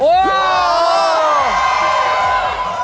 โอ้โห